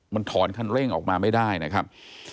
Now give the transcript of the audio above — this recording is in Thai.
มันถอนคันเร่งออกมาไม่ได้นะครับ